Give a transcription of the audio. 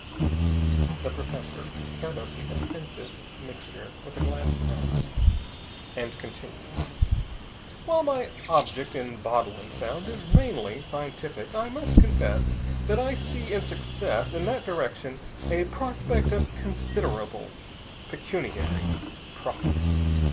The professor stirred up the offensive mixture with a glass rod, and continued: "While my object in bottling sound is mainly scientific, I must confess that I see in success in that direction a prospect of considerable pecuniary profit.